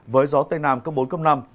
với gió tây nam cấp bốn cấp năm